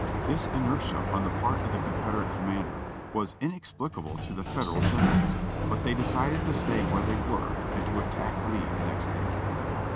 This inertia on the part of the Confederate commander was inexplicable to the Federal generals. But they decided to stay where they were and to attack Lee the next day.